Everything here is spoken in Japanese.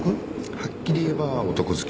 はっきり言えば男好き。